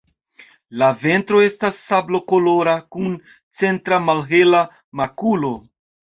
La ventro estas sablokolora kun centra malhela makulo.